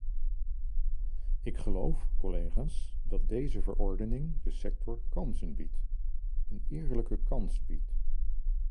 Ik geloof, collega's, dat deze verordening de sector kansen biedt, een eerlijke kans biedt.